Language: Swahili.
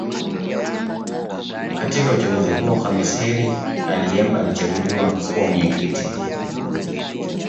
Katika uchaguzi huo Khamis Heri Ayemba alichaguliwa kuwa Mwenyekiti